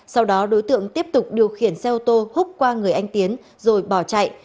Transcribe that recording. sau đó đối tượng tiếp tục điều khiển xe ô tô hút qua người anh tiến rồi bỏ chạy